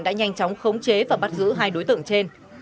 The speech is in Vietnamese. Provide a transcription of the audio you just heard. đã nhanh chóng khống chế và bắt giữ hai đối tượng trên